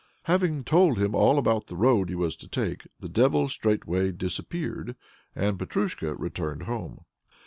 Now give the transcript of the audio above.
Having told him all about the road he was to take, the Devil straightway disappeared, and Petrusha returned home.